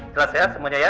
jelas ya semuanya ya